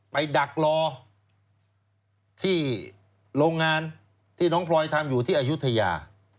ดักรอที่โรงงานที่น้องพลอยทำอยู่ที่อายุทยา